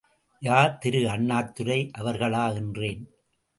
யார் திரு அண்ணாதுரை அவர்களா? என்றேன்.